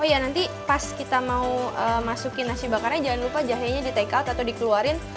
oh iya nanti pas kita mau masukin nasi bakarnya jangan lupa jahenya di take out atau dikeluarin